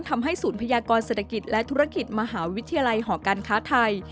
ทำให้ศูนย์พยากรเศรษฐกิจและธุรกิจมหาวิทยาลัยหอการค้าไทย